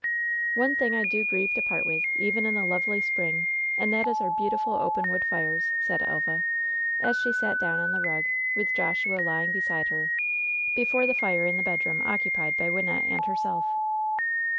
"One thing I do grieve to part with, even in the lovely LOVE'S BITTEREST CUP 141 spring, and that is our beautiful open wood fires !" said Elva, as she sat down on the rug, with Joshua lying beside her, before the fire in the bedroom occupied by Wynnette and herself.